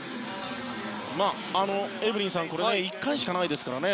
エブリンさん、これは１回しかないですからね。